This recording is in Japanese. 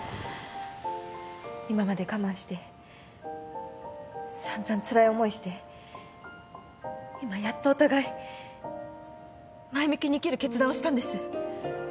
今まで我慢して散々つらい思いして今やっとお互い前向きに生きる決断をしたんです。